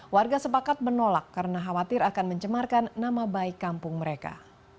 warga sepakat menolak karena khawatir akan mencemarkan nama baik kampung mereka